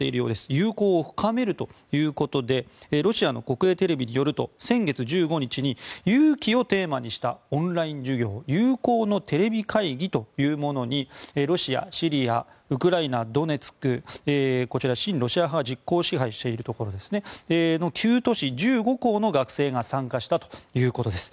友好を深めるということでロシアの国営テレビによると先月１５日に勇気をテーマにしたオンライン授業友好のテレビ会議というものにロシア、シリアウクライナ・ドネツク親ロシア派が実効支配しているところですが９都市１５校の学生が参加したということです。